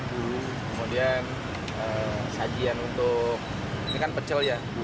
kemudian sajian untuk ini kan pecel ya